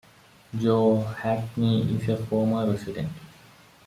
Joe Hackney is a former resident.